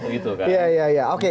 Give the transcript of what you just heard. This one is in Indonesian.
setelah waktu itu kan iya iya oke